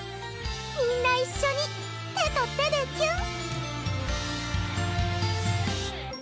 みんな一緒に手と手でキュン！